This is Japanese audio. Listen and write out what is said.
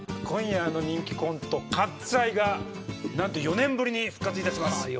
今夜あの人気コント「カッツ・アイ」がなんと４年ぶりに復活いたします。